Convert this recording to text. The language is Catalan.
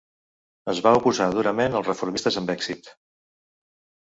Es va oposar durament als reformistes amb èxit.